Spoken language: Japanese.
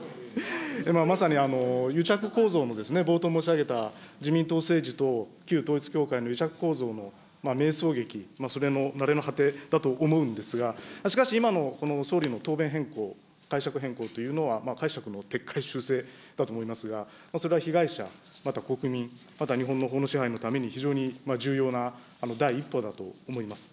まさに、癒着構造の、冒頭申し上げた自民党政治と旧統一教会の癒着構造の迷走劇、それのなれの果てだと思うんですが、しかし今のこの総理の答弁変更、解釈変更というのは、解釈の撤回修正だと思いますが、それは被害者、また国民、また日本の法の支配のために非常に重要な第一歩だと思います。